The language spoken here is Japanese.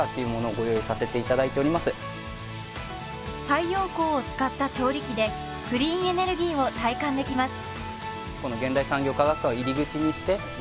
太陽光を使った調理器でクリーンエネルギーを体感できます